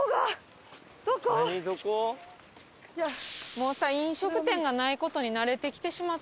もうさ飲食店がない事に慣れてきてしまっている。